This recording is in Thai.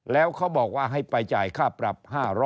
แล้วเขาบอกว่าให้ไปจ่ายค่าปรับ๕๐๐